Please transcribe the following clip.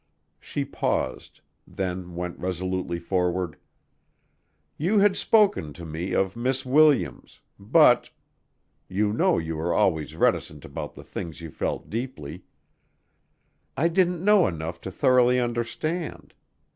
She paused, then went resolutely forward. "You had spoken to me of Miss Williams, but you know you were always reticent about the things you felt deeply I didn't know enough to thoroughly understand.